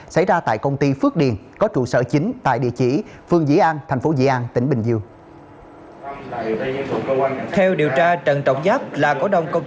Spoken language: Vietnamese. xảy ra tại công ty phước điền có trụ sở chính tại địa chỉ phường dĩ an thành phố dĩ an tỉnh bình dương